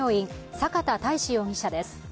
坂田大志容疑者です。